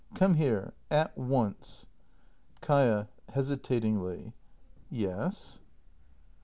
] Come here! At once! Kaia. [Hesitatingly.] Yes.